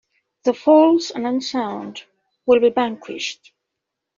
The false and unsound will be vanquished.